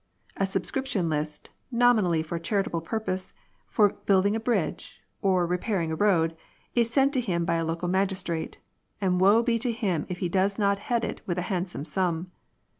A subscription list, nominally for a charitable purpose, for building a bridge, or repairing a road, is sent to him by a local magistrate, and woe be to him if he does not head it with a handsome sum.